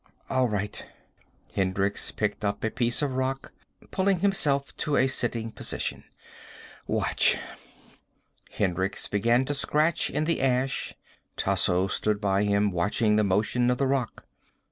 "All right." Hendricks picked up a piece of rock, pulling himself to a sitting position. "Watch." Hendricks began to scratch in the ash. Tasso stood by him, watching the motion of the rock.